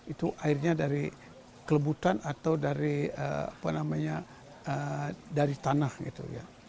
itu airnya dari kelebutan atau dari apa namanya dari tanah gitu ya